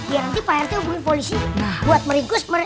ya nanti pak rt hubungin polisi buat merigus mere